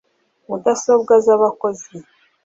mudasobwa z’abakozi